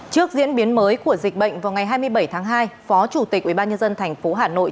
trước diễn biến mới của dịch bệnh vào ngày hai mươi bảy tháng hai phó chủ tịch ubnd tp hà nội